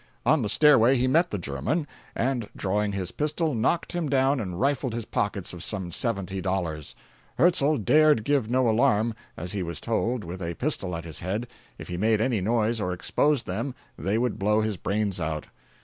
On the stairway he met the German, and drawing his pistol knocked him down and rifled his pockets of some seventy dollars. Hurtzal dared give no alarm, as he was told, with a pistol at his head, if he made any noise or exposed them, they would blow his brains out.